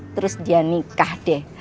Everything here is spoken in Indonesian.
terus dia nikah deh